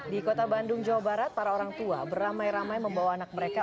di kota bandung jawa barat para orang tua beramai ramai membawa anak mereka